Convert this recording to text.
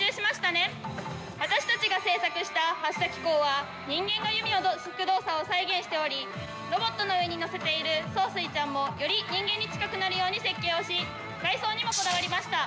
私たちが製作した発射機構は人間が弓を引く動作を再現しておりロボットの上に乗せているソウスイちゃんもより人間に近くなるように設計をし外装にもこだわりました。